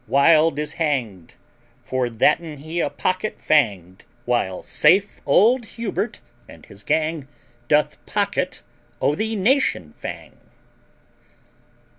Wild is hang'd, For thatten he a pocket fang'd, While safe old Hubert, and his gang, Doth pocket o' the nation fang.